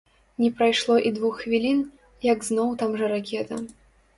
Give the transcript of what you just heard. Не прайшло і двух хвілін, як зноў там жа ракета.